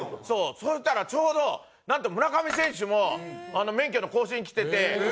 そしたらちょうどなんと村上選手も免許の更新に来てて。